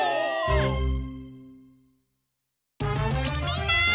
みんな！